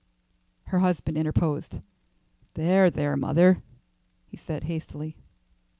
Her husband interposed. "There, there, mother," he said, hastily.